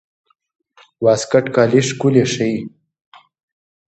واسکټ کالي ښکلي ښيي.